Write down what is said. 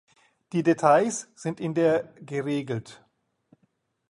Die Details sind in der geregelt.